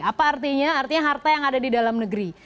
apa artinya artinya harta yang ada di dalam negeri